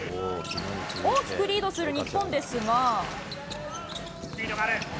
大きくリードする日本ですが。